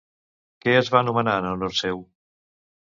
Què es va nomenar en honor seu?